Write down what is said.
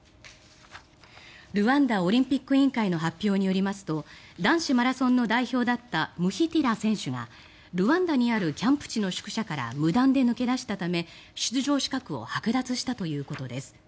ルワンダオリンピック委員会の発表によりますと男子マラソンの代表だったムヒティラ選手がルワンダにあるキャンプ地の宿舎から無断で抜け出したため出場資格をはく奪したということです。